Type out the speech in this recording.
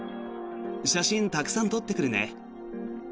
写真たくさん撮ってくるね。